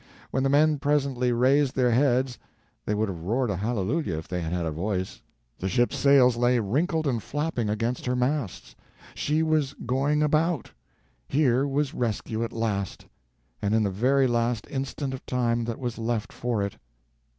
When the men presently raised their heads they would have roared a hallelujah if they had had a voice the ship's sails lay wrinkled and flapping against her masts she was going about! Here was rescue at last, and in the very last instant of time that was left for it.